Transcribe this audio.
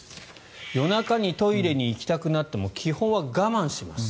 夜中にトイレに行きたくなっても基本は我慢します